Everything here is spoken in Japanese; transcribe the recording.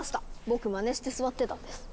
僕まねして座ってたんです。